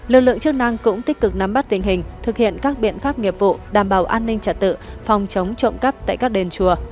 lực lượng chức năng cũng tích cực nắm bắt tình hình thực hiện các biện pháp nghiệp vụ đảm bảo an ninh trật tự phòng chống trộm cắp tại các đền chùa